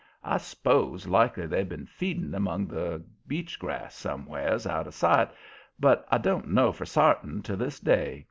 I s'pose likely they'd been feeding among the beach grass somewheres out of sight, but I don't know for sartin to this day.